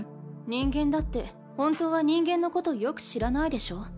人間だって本当は人間のことよく知らないでしょ。